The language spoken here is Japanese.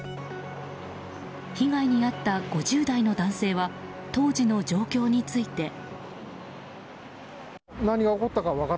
被害に遭った５０代の男性は当時の状況について。